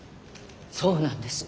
そうなんです。